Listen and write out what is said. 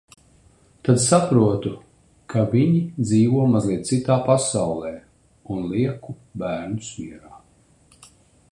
Tad saprotu, ka viņi dzīvo mazliet citā pasaulē, un lieku bērnus mierā.